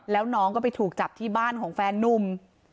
แล้วน้องก็ไปถูกจับที่บ้านของแฟนนุ่ม